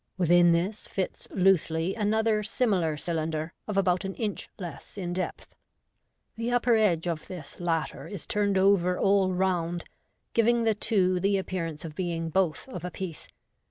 Within this fits loosely another similar cylinder, of about an inch less in depth. The upper edge of this latter is turned over all round, giving the two the appearance of being both of a piece.